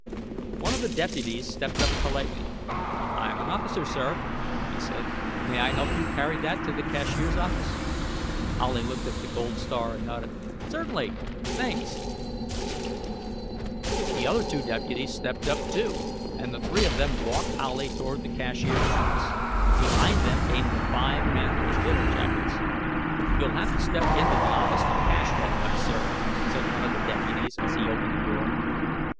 One of the deputies stepped up politely. "I'm an officer, sir," he said. "May I help you carry that to the cashier's office?" Howley looked at the gold star and nodded. "Certainly. Thanks." The other two deputies stepped up, too, and the three of them walked Howley toward the cashier's office. Behind them came the five men in dinner jackets. "You'll have to step into the office to cash that much, sir," said one of the deputies as he opened the door.